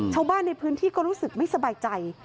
ชาวบ้านในพื้นที่ก็รู้สึกไม่สบายใจ